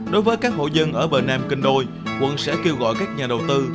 đối với các hộ dân ở bờ nam kinh đôi quận sẽ kêu gọi các nhà đầu tư